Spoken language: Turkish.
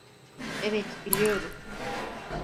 Evet biliyorum.